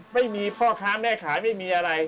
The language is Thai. ไม่มีพ่อค้าแม่ขายไม่มีอะไร